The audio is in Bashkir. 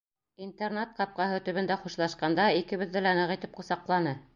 Интернат ҡапҡаһы төбөндә хушлашҡанда икебеҙҙе лә ныҡ итеп ҡосаҡланы.